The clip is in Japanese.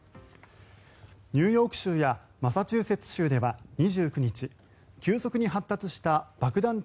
ニューヨーク州やマサチューセッツ州では２９日急速に発達した爆弾